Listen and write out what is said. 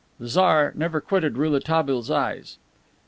The Tsar never quitted Rouletabille's eyes.